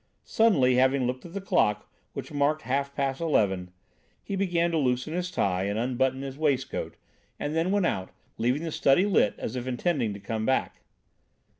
Suddenly, having looked at the clock which marked half past eleven, he began to loosen his tie and unbutton his waistcoat and then went out, leaving the study lit as if intending to come back.